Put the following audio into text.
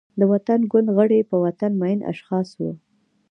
د وطن ګوند غړي، په وطن مین اشخاص وو.